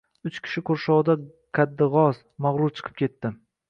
Uch kishi qurshovida qaddi g‘oz, mag‘rur chiqib ketdi…